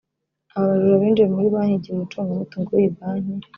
Aba bajura binjiye muri banki igihe umucungamutungo w’iyi banki